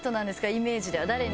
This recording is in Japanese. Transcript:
イメージでは誰に？